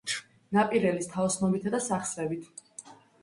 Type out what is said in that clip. ნაპირელის თაოსნობითა და სახსრებით.